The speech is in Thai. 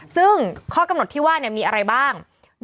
ซึ่งข้อกำหนดที่ว่ามีอะไรบ้าง